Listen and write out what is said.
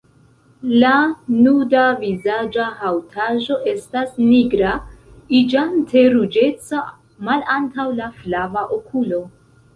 La nuda vizaĝa haŭtaĵo estas nigra, iĝante ruĝeca malantaŭ la flava okulo.